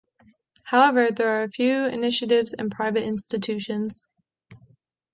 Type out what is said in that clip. However, there are a few initiatives and private institutions.